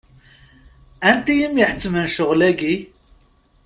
Anti i m-iḥettmen ccɣel-agi?